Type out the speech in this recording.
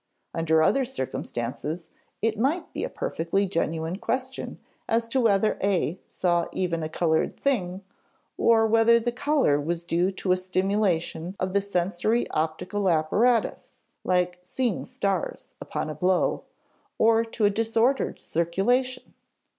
Under other circumstances it might be a perfectly genuine question as to whether A saw even a colored thing, or whether the color was due to a stimulation of the sensory optical apparatus (like "seeing stars" upon a blow) or to a disordered circulation.